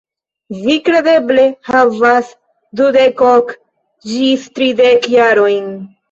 Vi kredeble havas dudek ok ĝis tridek jarojn.